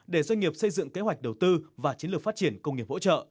để doanh nghiệp xây dựng kế hoạch đầu tư và chiến lược phát triển công nghiệp hỗ trợ